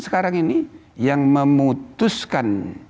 sekarang ini yang memutuskan